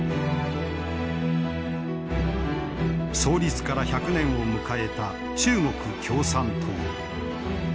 創立から１００年を迎えた中国共産党。